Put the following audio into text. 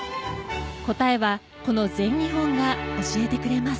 答えはこの全日本が教えてくれます。